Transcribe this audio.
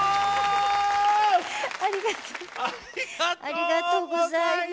ありがとうございます。